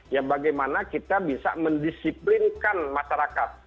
ya bagaimana kita bisa mendisiplinkan masyarakat